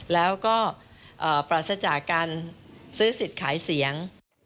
แล้วก็ปราศจากการซื้อสิทธิ์ขายเสียง